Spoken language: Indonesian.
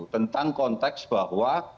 tentang konteks bahwa